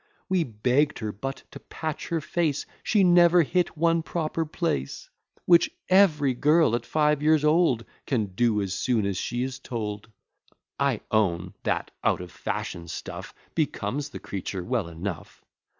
We begg'd her but to patch her face, She never hit one proper place; Which every girl at five years old Can do as soon as she is told. I own, that out of fashion stuff Becomes the creature well enough.